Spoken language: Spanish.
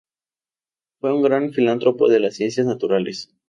Fue un gran filántropo de las Ciencias naturales.